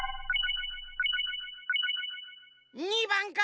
２ばんか！